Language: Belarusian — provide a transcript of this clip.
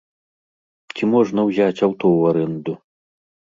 Ці можна ўзяць аўто ў арэнду?